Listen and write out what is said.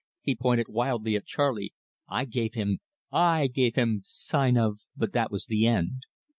He pointed wildly at Charley. "I gave him sign of " But that was the end.